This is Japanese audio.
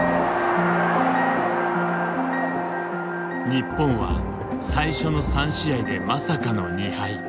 日本は最初の３試合でまさかの２敗。